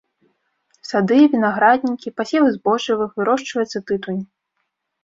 Сады, вінаграднікі, пасевы збожжавых, вырошчваецца тытунь.